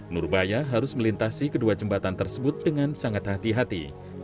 nurbaya harus melintasi kedua jembatan tersebut dengan sangat hati hati